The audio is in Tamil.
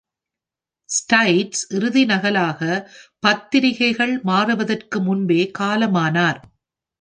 ஸ்டைட்ஸ் இறுதி நகலாக பத்திரிகைகள் மாறுவதற்கு முன்பே காலமானார்.